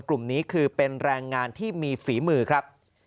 กลุ่มนี้คือเป็นแรงงานที่มีฝีมือครับ